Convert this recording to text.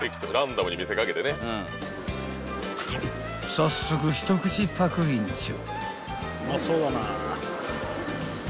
［早速一口パクリンチョ］